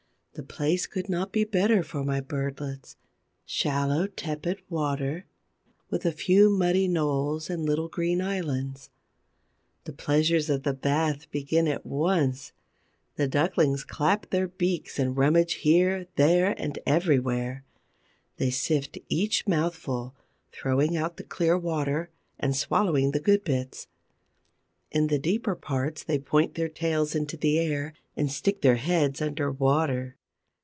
The place could not be better for my birdlets: shallow, tepid water, with a few muddy knolls and little green islands. The pleasures of the bath begin at once. The ducklings clap their beaks and rummage here, there, and everywhere; they sift each mouthful, throwing out the clear water and swallowing the good bits. In the deeper parts they point their tails into the air and stick their heads under water.